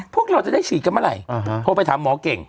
พวกเราจะได้ฉีดกันเมื่อไหร่โทรไปถามหมอเก่ง